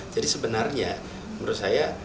jadi sebenarnya menurut saya